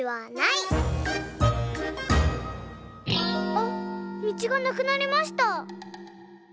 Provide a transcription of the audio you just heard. あっ道がなくなりました。